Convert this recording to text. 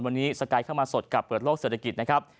วันนี้สกายเข้ามาสดกับเปิดโลกเศรษฐกิจนะครับ